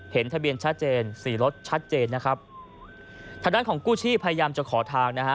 เห็นทะเบียนชัดเจนสี่รถชัดเจนนะครับทางด้านของกู้ชีพพยายามจะขอทางนะฮะ